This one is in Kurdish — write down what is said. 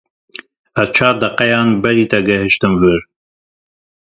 Ez çar deqeyan berî te gihîştim vir.